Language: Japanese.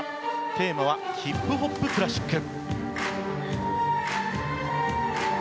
テーマはヒップホップクラシック。